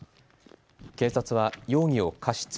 警察は容疑を過失